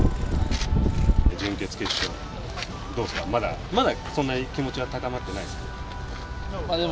準決勝、どうですか、まだ気持ちは高まってないですか？